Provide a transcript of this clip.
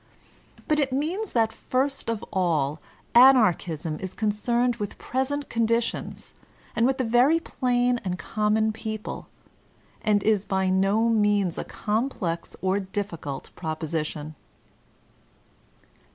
But it means that first of all Anarchism is concerned with present conditions, and with the very plain and common people; and is by no means a complex or difficult proposition.